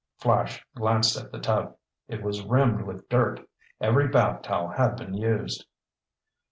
Flash glanced at the tub. It was rimmed with dirt. Every bath towel had been used.